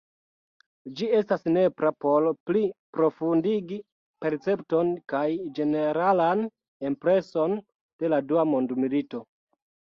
Ĝi estas nepra por pli profundigi percepton kaj ĝeneralan impreson de la dua mondmilito.